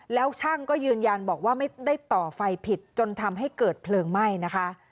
แล้วช่างก็ยืนยันบอกว่าไม่ได้ต่อไฟผิดจนทำให้เกิดเพลิงไหม้นะคะ